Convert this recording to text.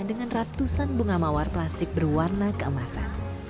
dengan ratusan bunga mawar plastik berwarna keemasan